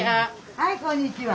はいこんにちは。